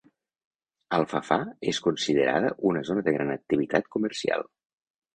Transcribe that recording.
Alfafar és considerada una zona de gran activitat comercial.